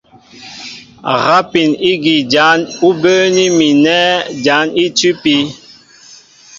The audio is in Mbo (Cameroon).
Rápin ígí jǎn ú bə́ə́ní mi nɛ̂ jǎn í tʉ́pí.